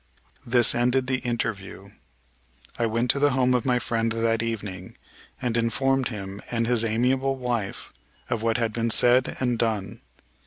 This ended the interview. I went to the home of my friend that evening, and informed him and his amiable wife of what had been said and done.